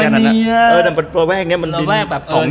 แต่ตัวแวกเนี่ยมัน